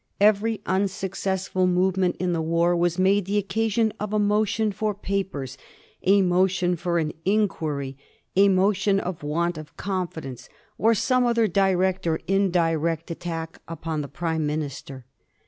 Every unsuccessful movement in the war was made the occasion of a motion for papers, a motion for an inquiry, a vote of want of confidence, or some other direct or indirect attack upon the Prime minister.